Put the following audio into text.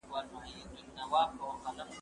زه اوږده وخت مړۍ پخوم!؟